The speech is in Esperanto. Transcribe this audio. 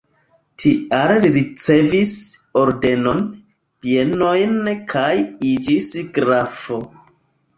Tial li ricevis ordenon, bienojn kaj iĝis grafo.